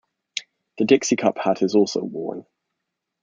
The 'dixie cup' hat is also worn.